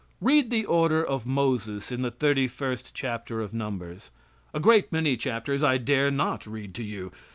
Read the order of Moses in the 31st chapter of Numbers. A great many chapters I dare not read to you.